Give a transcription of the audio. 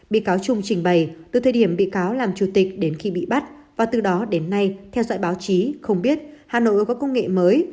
bị cáo trung trình bày từ thời điểm bị cáo làm chủ tịch đến khi bị bắt và từ đó đến nay theo dõi báo chí không biết hà nội có công nghệ mới